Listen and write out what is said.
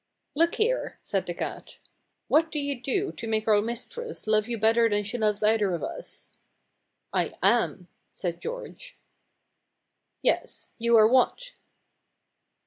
"Look here," said the cat. "What do you do to make our mistress love you better than she loves either of us?" "I am," said George. "Yes. You are what?"